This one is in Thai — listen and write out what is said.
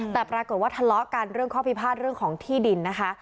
แต่ปรากฏว่าทะเลาะกันเรื่องข้อพิพาทเรื่องของที่ดินนะคะ